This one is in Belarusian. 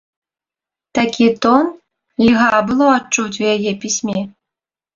Такі тон льга было адчуць у яе пісьме.